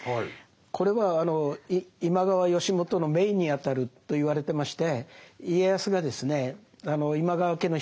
これは今川義元の姪にあたるといわれてまして。